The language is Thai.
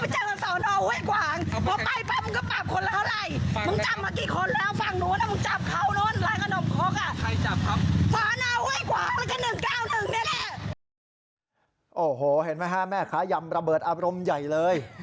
เห็นไหมครับแม่ค้ายำระเบิดอาบรมใหญ่เลย